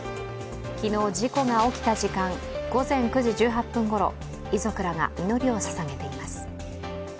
昨日、事故が起きた時間午前９時１８分ごろ遺族らが祈りをささげています。